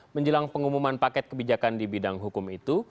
menjelang pengumuman paket kebijakan di bidang hukum itu